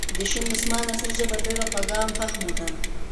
د شین دسمال نثري ژبه ډېره خوږه ،عام فهمه.